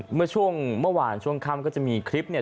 เมื่อช่วงเมื่อวานช่วงค่ำก็จะมีคลิปเนี่ย